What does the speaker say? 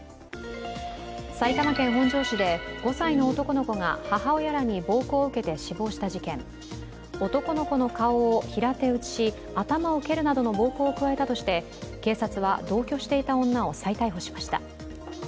埼玉県本庄市で５歳の男の子が母親らに暴行を受けた死亡した事件男の子の顔を平手打ちし頭を蹴るなどの暴行を加えたとして警察は同居していた女を再逮捕しました。